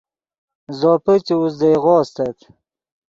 زوپے چے اوزدئیغو استت